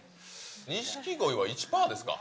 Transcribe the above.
錦鯉は１パーですか。